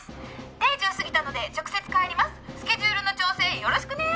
「定時を過ぎたので直接帰ります」「スケジュールの調整よろしくね」